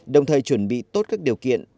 đồng thời chuẩn bị tốt các điều kiện